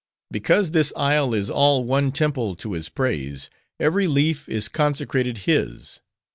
"Because this isle is all one temple to his praise; every leaf is consecrated his.